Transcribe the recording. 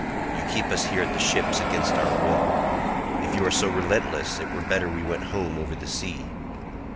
You keep us here at the ships against our will; if you are so relentless it were better we went home over the sea.